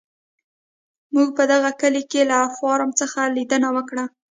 موږ په دغه کلي کې له فارم څخه لیدنه وکړه.